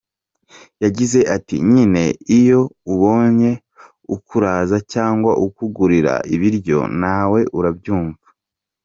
Yagize ati “ Nyine iyo ubonye ukuraza cyangwa ukugurira ibiryo na we urabyumva.